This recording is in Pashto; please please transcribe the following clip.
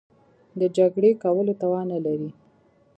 د جګړې کولو توان نه لري.